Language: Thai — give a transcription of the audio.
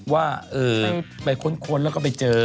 ว่าไปค้นแล้วก็ไปเจอ